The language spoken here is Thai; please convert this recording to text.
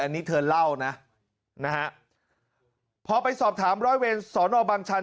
อันนี้เธอเล่านะนะฮะพอไปสอบถามร้อยเวรสอนอบังชัน